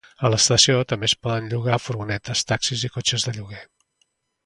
A l' estació també és poden llogar furgonetes, taxis i cotxes de lloguer.